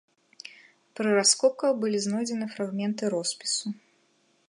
Пры раскопках былі знойдзены фрагменты роспісу.